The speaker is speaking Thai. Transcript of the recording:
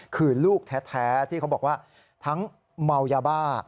คือลูกแท้ที่เขาบอกว่าทั้งเมายาบ้า